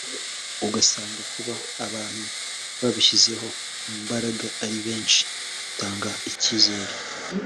agasanga kuba abantu babishyizeho imbaraga ari benshi bitanga icyizere